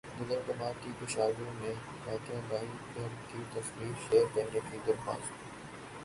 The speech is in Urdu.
دلیپ کمار کی پشاور میں واقع بائی گھر کی تصاویر شیئر کرنے کی درخواست